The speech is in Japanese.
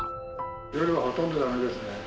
夜はほとんどだめですね。